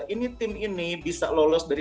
ini tim ini bisa lolos dari